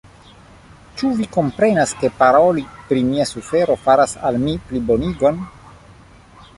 Ĉu vi komprenas, ke paroli pri mia sufero faras al mi plibonigon?